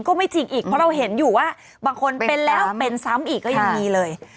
ก็ไม่จริงอีกเพราะเราเห็นอยู่ว่าบางคนเป็นแล้วเป็นซ้ำอีกก็ยังมีเลย